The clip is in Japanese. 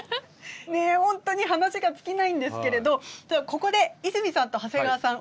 ねえ本当に話が尽きないんですけれどここで泉さんと長谷川さん